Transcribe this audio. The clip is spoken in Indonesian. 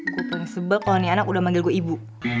gue pengen sebab kalau ini anak udah manggil gue ibu